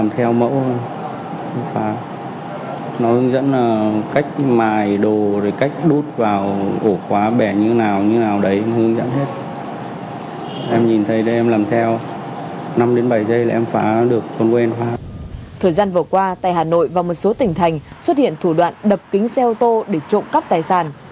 thời gian vừa qua tại hà nội và một số tỉnh thành xuất hiện thủ đoạn đập kính xe ô tô để trộm cắp tài sản